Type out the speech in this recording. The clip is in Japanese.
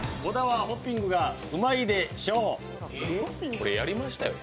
これ、やりましたよね？